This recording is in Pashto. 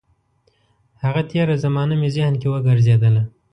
هغه تېره زمانه مې ذهن کې وګرځېدله.